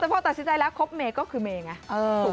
แต่พอตัดสินใจแล้วคบเมย์ก็คือเมย์ไง